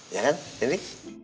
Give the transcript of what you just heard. ya kan tini